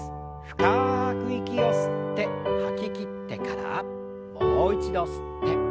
深く息を吸って吐ききってからもう一度吸って吐きましょう。